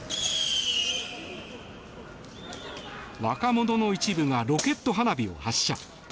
若者の一部がロケット花火を発射。